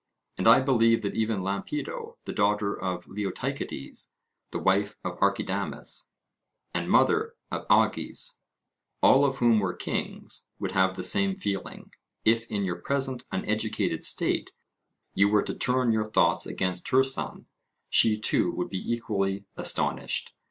And I believe that even Lampido, the daughter of Leotychides, the wife of Archidamus and mother of Agis, all of whom were kings, would have the same feeling; if, in your present uneducated state, you were to turn your thoughts against her son, she too would be equally astonished.